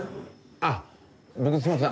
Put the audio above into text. ああっ僕すみません